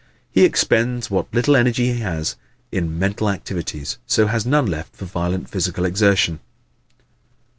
He expends what little energy he has in mental activities so has none left for violent physical exertion.